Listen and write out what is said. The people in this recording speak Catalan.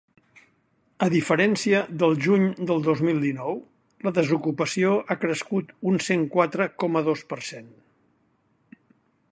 A diferència del juny del dos mil dinou, la desocupació ha crescut un cent quatre coma dos per cent.